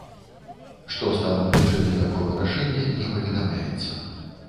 Што стала прычынай такога рашэння, не паведамляецца.